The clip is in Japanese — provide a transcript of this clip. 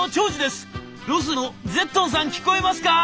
ロスのゼットンさん聞こえますか？」。